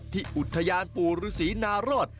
อุทยานปู่ฤษีนารอด